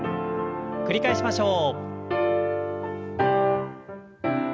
繰り返しましょう。